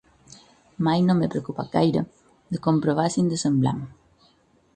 Mai no m'he preocupat gaire de comprovar si ens assemblem.